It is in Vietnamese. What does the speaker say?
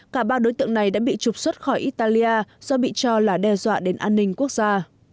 cả ba đối tượng này đã bị trục xuất khỏi italia do bị cho là đe dọa đến an ninh quốc gia